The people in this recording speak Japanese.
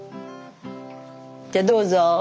じゃどうぞ。